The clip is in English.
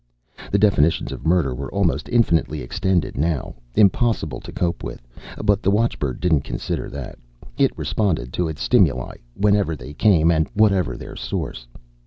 The definitions of murder were almost infinitely extended now, impossible to cope with. But the watchbird didn't consider that. It responded to its stimuli, whenever they came and whatever their source.